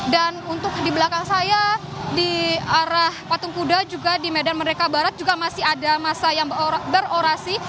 dan untuk di belakang saya di arah patung kuda juga di medan merdeka barat juga masih ada masa yang berorasi